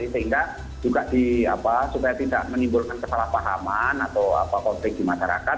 sehingga juga supaya tidak menimbulkan kesalahpahaman atau konflik di masyarakat